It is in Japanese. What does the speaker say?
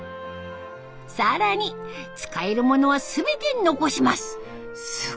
更に使えるものは全て残します。